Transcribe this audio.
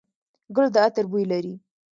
ګل د عطر بوی لري.